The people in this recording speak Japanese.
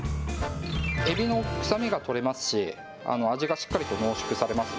えびの臭みが取れますし、味がしっかりと濃縮されます。